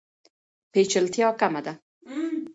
پیچلتیا کمه ده.